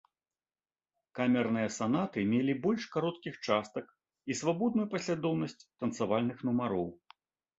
Камерныя санаты мелі больш кароткіх частак і свабодную паслядоўнасць танцавальных нумароў.